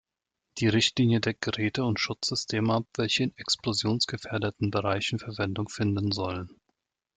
Die Richtlinie deckt Geräte und Schutzsysteme ab, welche in explosionsgefährdeten Bereichen Verwendung finden sollen.